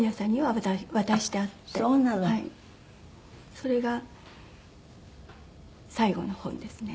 それが最後の本ですね。